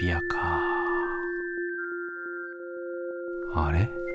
あれ？